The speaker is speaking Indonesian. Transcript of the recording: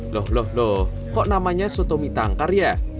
loh loh loh kok namanya soto mitangkar ya